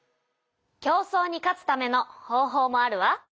競争に勝つための方法もあるわ。